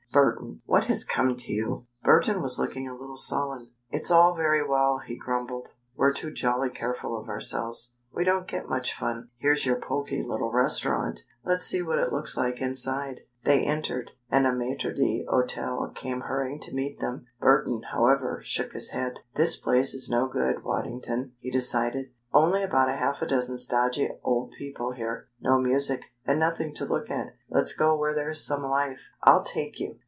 Burton, what has come to you?" Burton was looking a little sullen. "It's all very well," he grumbled. "We're too jolly careful of ourselves. We don't get much fun. Here's your poky little restaurant. Let's see what it looks like inside." They entered, and a maitre d'hôtel came hurrying to meet them. Burton, however, shook his head. "This place is no good, Waddington," he decided. "Only about half a dozen stodgy old people here, no music, and nothing to look at. Let's go where there's some life. I'll take you.